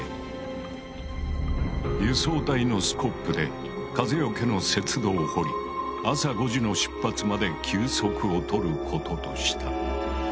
輸送隊のスコップで風よけの雪洞を掘り朝５時の出発まで休息を取ることとした。